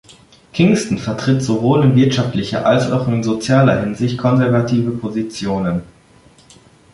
Kingston vertritt sowohl in wirtschaftlicher als auch in sozialer Hinsicht konservative Positionen.